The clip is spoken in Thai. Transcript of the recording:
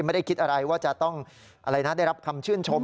ไม่ได้คิดอะไรว่าจะต้องอะไรนะได้รับคำชื่นชม